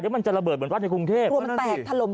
เดี๋ยวมันจะระเบิดเหมือนวัดในกรุงเทพฯ